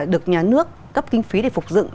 được nhà nước cấp kinh phí để phục dựng